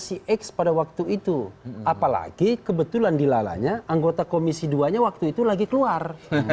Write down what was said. cx pada waktu itu apalagi kebetulan dilalanya anggota komisi dua nya waktu itu lagi keluar